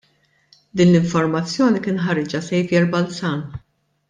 Din l-informazzjoni kien ħariġha Saviour Balzan.